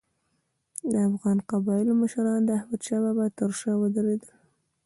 د افغان قبایلو مشران د احمدشاه بابا تر شا ودرېدل.